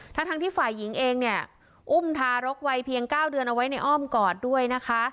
ทั้งที่ฝ่ายหญิงเองเนี่ยอุ้มทารกวัยเพียง๙เดือนเอาไว้ในอ้อมกอดด้วยนะคะ